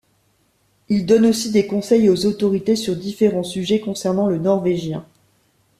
Il donne aussi des conseils aux autorités sur différents sujets concernant le norvégien.